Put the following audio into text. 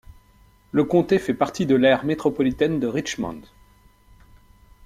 Le comté fait partie de l'aire métropolitaine de Richmond.